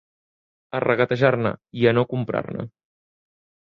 A regatejar-ne, i a no comprar-ne.